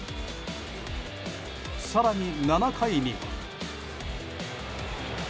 更に７回には。